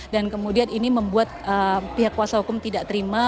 dan kemudian ini membuat pihak kuasa hukum tidak terima